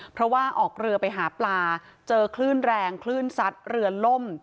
เพราะว่าออกเรือไปหาปลาเจอคลื่นแรงคลื่นซัดเรือล่ม